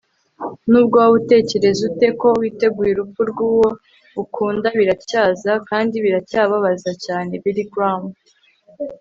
nubwo waba utekereza ute ko witeguye urupfu rw'uwo ukunda, biracyaza, kandi biracyababaza cyane - billy graham